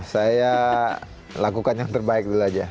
saya lakukan yang terbaik dulu aja